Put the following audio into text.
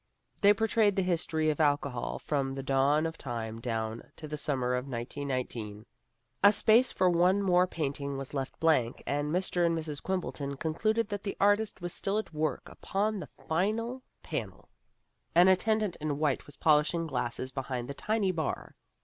They portrayed the history of Alcohol from the dawn of time down to the summer of 1919. A space for one more painting was left blank, and Mr. and Mrs. Quimbleton concluded that the artist was still at work upon the final panel. An attendant in white was polishing glasses behind the tiny bar.